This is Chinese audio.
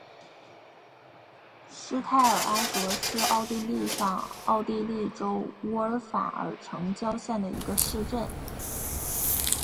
施泰尔埃格是奥地利上奥地利州乌尔法尔城郊县的一个市镇。